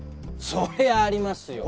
そりゃあありますよ！